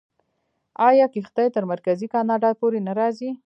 آیا کښتۍ تر مرکزي کاناډا پورې نه راځي؟